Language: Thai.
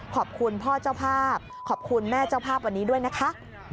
ขอบคุณพ่อเจ้าภาพขอบคุณแม่เจ้าภาพวันนี้ด้วยนะคะ